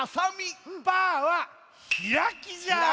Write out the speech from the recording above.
パーはひらきじゃ。